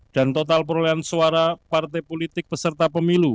dan total perolian suara parti politik peserta pemilu